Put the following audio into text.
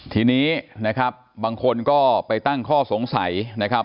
ทีนี้นะครับบางคนก็ไปตั้งข้อสงสัยนะครับ